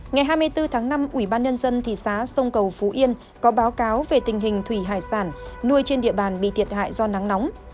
ngày hai mươi bốn tháng năm ủy ban nhân dân thị xã sông cầu phú yên có báo cáo về tình hình thủy hải sản nuôi trên địa bàn bị thiệt hại do nắng nóng